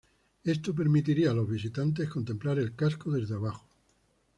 Esto permitiría a los visitantes contemplar el casco desde abajo.